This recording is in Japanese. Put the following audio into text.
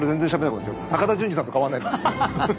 高田純次さんと変わんない。